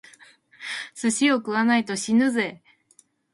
寿司を食わないと死ぬぜ！